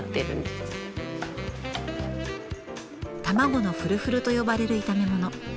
卵のフルフルと呼ばれる炒め物。